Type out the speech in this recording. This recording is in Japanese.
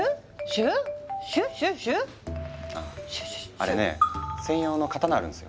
あああれね専用の刀あるんですよ。